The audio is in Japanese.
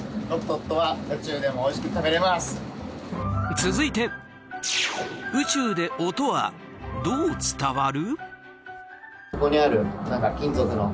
続いて宇宙で音はどう伝わる？